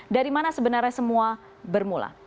dari mana sebenarnya semua bermula